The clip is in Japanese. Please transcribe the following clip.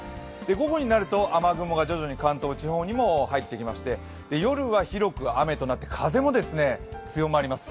午後になると雨雲が徐々に関東地方にも入ってきまして夜は広く雨となって風も強まります。